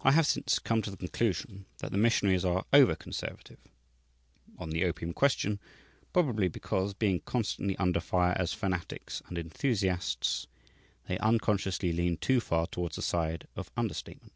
I have since come to the conclusion that the missionaries are over conservative on the opium question, probably because, being constantly under fire as "fanatics" and "enthusiasts," they unconsciously lean too far towards the side of under statement.